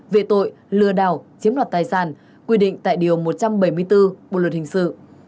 về tội lừa đảo chiếm đoạt tài sản quy định tại điều một trăm bảy mươi bốn bộ luật hình sự